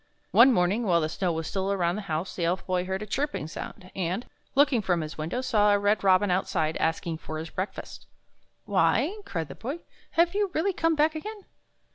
One morning, while the snow was still around the house, the Elf Boy heard a chirping sound, and, looking from his window, saw a red robin outside asking for his breakfast. " Why," cried the Boy, " have you really come back again?